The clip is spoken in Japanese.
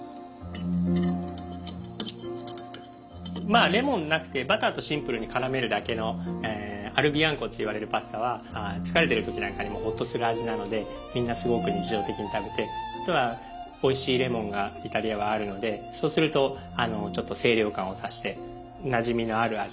まあレモンなくてバターとシンプルに絡めるだけの「アルビアンコ」っていわれるパスタは疲れてる時なんかにもホッとする味なのでみんなすごく日常的に食べてあとはおいしいレモンがイタリアはあるのでそうするとちょっと清涼感を足してなじみのある味だと思います。